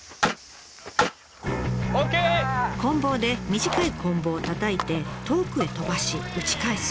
こん棒で短いこん棒をたたいて遠くへ飛ばし打ち返す